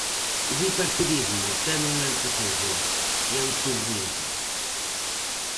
O bipartidismo ten un antecedente, que é o turnismo.